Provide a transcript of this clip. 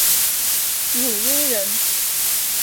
汝阴人。